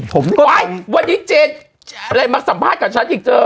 หวายวันนี้เจนมาสัมภาษณ์กับฉันอีกเจอ